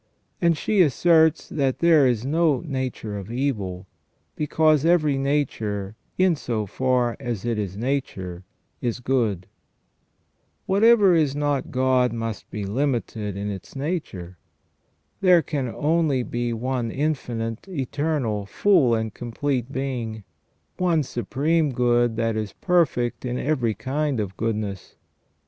And she asserts that there is no nature of evil, because every nature, in so far as it is nature, is good." t Whatever is not God must be limited in its nature. There can only be one infinite, eternal, full and complete Being, one Supreme Good that is perfect in every kind of goodness.